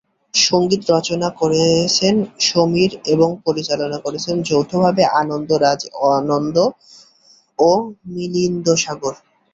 সঙ্গীত রচনা করেছেন সমীর এবং পরিচালনা করেছেন যৌথভাবে আনন্দ রাজ আনন্দ ও মিলিন্দ সাগর।